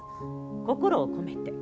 心を込めて。